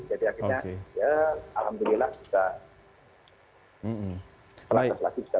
jadi kita juga bisa melakukan pelaksanaan yang lebih baik